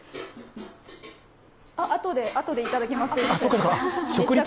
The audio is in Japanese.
あとでいただきます。